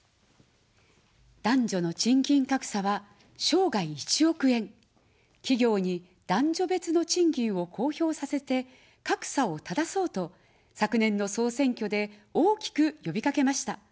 男女の賃金格差は生涯１億円、企業に男女別の賃金を公表させて、格差をただそうと昨年の総選挙で大きくよびかけました。